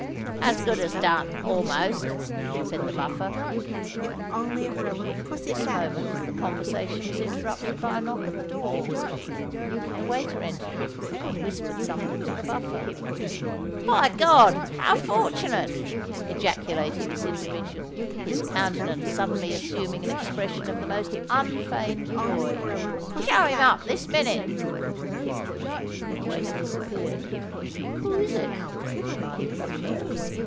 "As good as done, almost," said the Buffer. At this moment the conversation was interrupted by a knock at the door. The waiter entered, and whispered something to the Buffer. "By God, how fortunate!" ejaculated this individual, his countenance suddenly assuming an expression of the most unfeigned joy. "Show him up—this minute!" The waiter disappeared. "Who is it?" demanded Lafleur.